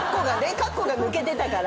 かっこが抜けてたから。